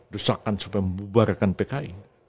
dusakan supaya membubarkan pki